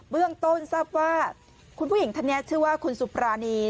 เรื่องต้นทราบว่าคุณผู้หญิงท่านนี้ชื่อว่าคุณสุปรานี